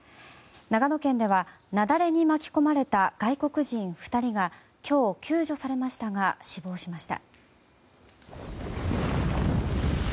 長野県では雪崩に巻き込まれた外国人２人が今日、救助されましたが死亡しました。